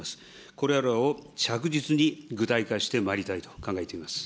これらを着実に具体化してまいりたいと考えております。